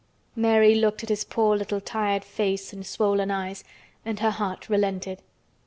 Mary looked at his poor little tired face and swollen eyes and her heart relented.